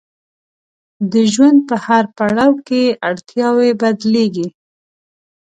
د ژوند په هر پړاو کې اړتیاوې بدلیږي.